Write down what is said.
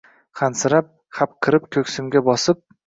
Hansirab, hapriqib ko‘ksimga bosib